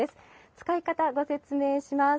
使い方、ご説明します。